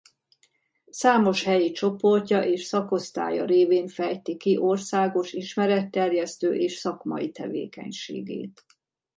Számos helyi csoportja és szakosztálya révén fejti ki országos ismeretterjesztő és szakmai tevékenységét.